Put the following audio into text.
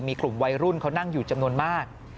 มีกลุ่มวัยรุ่นเขานั่งอยู่จำนวนมาก